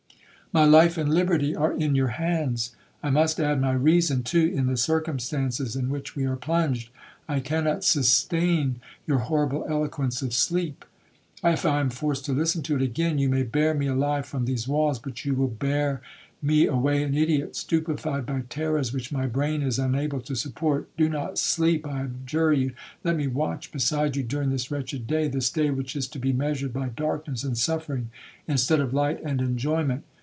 My life and liberty are in your hands,—I must add my reason, too, in the circumstances in which we are plunged,—I cannot sustain your horrible eloquence of sleep. If I am forced to listen to it again, you may bear me alive from these walls, but you will bear me away an ideot, stupified by terrors which my brain is unable to support. Do not sleep, I adjure you. Let me watch beside you during this wretched day,—this day which is to be measured by darkness and suffering, instead of light and enjoyment.